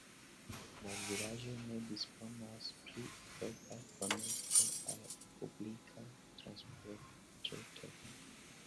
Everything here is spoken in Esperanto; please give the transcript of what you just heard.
La vilaĝo ne disponas pri propra konekto al la publika transportreto.